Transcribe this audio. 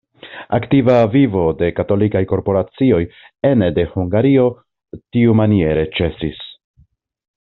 Aktiva vivo de katolikaj korporacioj ene de Hungario tiumaniere ĉesis.